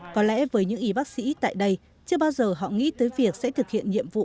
có lẽ với những y bác sĩ tại đây chưa bao giờ họ nghĩ tới việc sẽ thực hiện nhiệm vụ